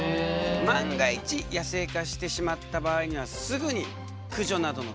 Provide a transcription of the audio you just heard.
万が一野生化してしまった場合にはすぐに駆除などの対応が必要となるんだ。